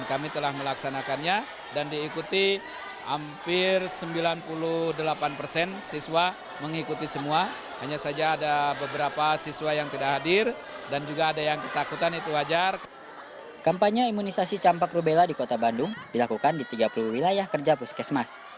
kampanye imunisasi campak rubella di kota bandung dilakukan di tiga puluh wilayah kerja puskesmas